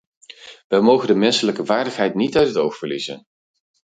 Wij mogen de menselijke waardigheid niet uit het oog verliezen.